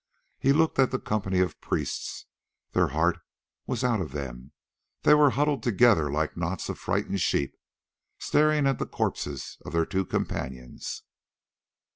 He looked at the company of priests; their heart was out of them, they were huddled together like knots of frightened sheep, staring at the corpses of their two companions.